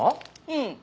うん。